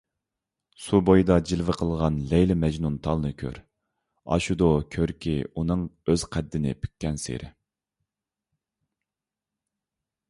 سۇ بويىدا جىلۋە قىلغان لەيلى - مەجنۇنتالنى كۆر، ئاشىدۇ كۆركى ئۇنىڭ ئۆز قەددىنى پۈككەنسېرى.